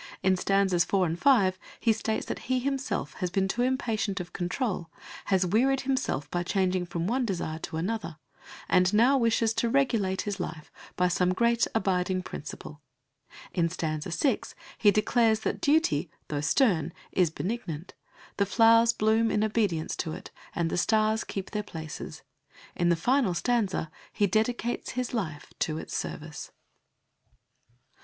In stanzas 4 and 5 he states that he himself has been too impatient of control, has wearied himself by changing from one desire to another, and now wishes to regulate his life by some great abiding principle. In stanza 6 he declares that duty, though stern, is benignant; the flowers bloom in obedience to it, and the stars keep their places. In the final stanza he dedicates his life to its service.